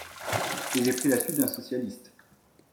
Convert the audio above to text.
Et j’ai pris la suite d’un socialiste